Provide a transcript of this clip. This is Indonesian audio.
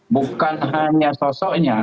bukan hanya sosoknya